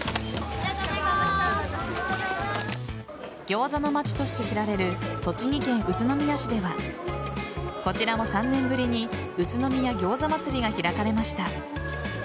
ギョーザの街として知られる栃木県宇都宮市ではこちらも３年ぶりに宇都宮餃子祭りが開かれました。